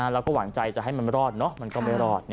เราก็หวังใจจะให้มันรอดเนอะมันก็ไม่รอด